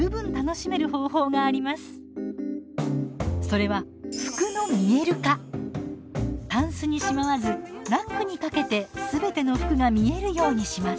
それはタンスにしまわずラックに掛けてすべての服が見えるようにします。